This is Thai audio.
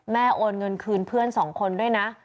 โอนเงินคืนเพื่อนสองคนด้วยนะ